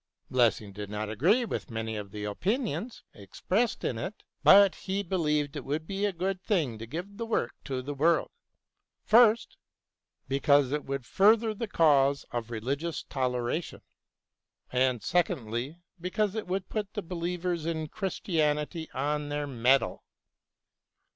Lessing did not agree with many of the opinions expressed in it, but he believed it would be a good thing to give the work to the world, first, because it would further the cause of religious toleration ; and, secondly, because it would put the believers in Christianity on their mettle.